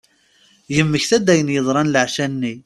Yemmekta-d ayen yeḍran laɛca-nni.